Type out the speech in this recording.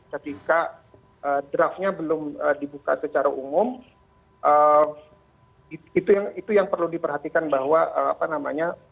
ketika draftnya belum dibuka secara umum itu yang perlu diperhatikan bahwa apa namanya